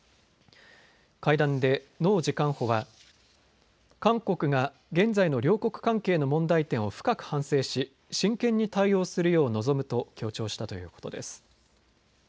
会談で農次官補は韓国が現在の両国関係の問題点を深く反省し真剣に対応するよう望むと強調したということです。